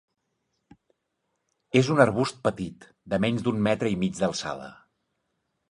És un arbust petit, de menys d'un metre i mig d'alçada.